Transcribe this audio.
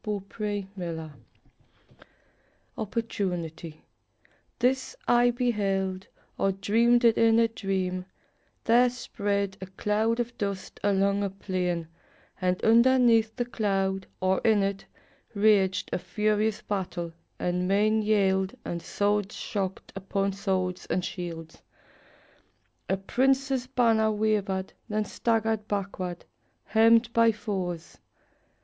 OPPORTUNITY* Edward Rowland Sill This I beheld, or dreamed it in a dream: There spread a cloud of dust along a plain, And underneath the cloud, or in it, raged A furious battle, and men yelled, and swords Shocked upon swords and shields. A prince's banner Wavered, then staggered backward, hemmed by foes.